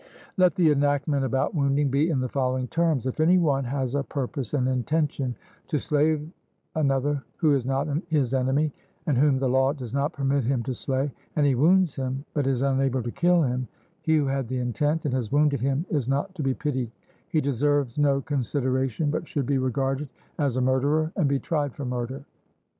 Let the enactment about wounding be in the following terms: If any one has a purpose and intention to slay another who is not his enemy, and whom the law does not permit him to slay, and he wounds him, but is unable to kill him, he who had the intent and has wounded him is not to be pitied he deserves no consideration, but should be regarded as a murderer and be tried for murder.